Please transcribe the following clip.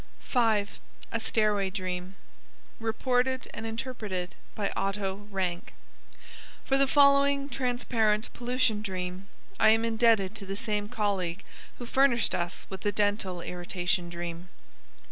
5. A stairway dream. (Reported and interpreted by Otto Rank.) For the following transparent pollution dream, I am indebted to the same colleague who furnished us with the dental irritation dream.